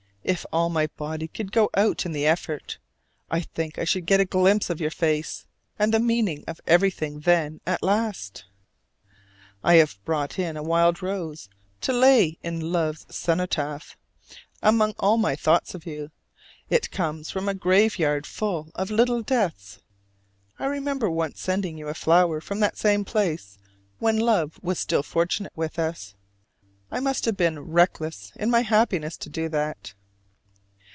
If all my body could go out in the effort, I think I should get a glimpse of your face, and the meaning of everything then at last. I have brought in a wild rose to lay here in love's cenotaph, among all my thoughts of you. It comes from a graveyard full of "little deaths." I remember once sending you a flower from the same place when love was still fortunate with us. I must have been reckless in my happiness to do that!